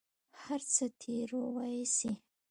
هر څه تېروى سي.